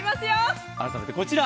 改めてこちら。